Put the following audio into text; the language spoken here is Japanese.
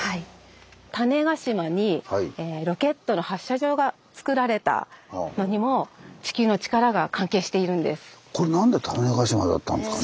種子島にロケットの発射場がつくられたのにも地球のチカラが関係しているんです。